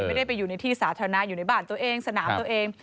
ไม่ได้ไปอยู่ในที่สาธารณะอยู่ในบ้านตัวเองสนามตัวเอง